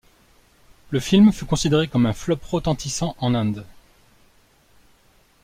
Le film fut considéré comme un flop retentissant en Inde.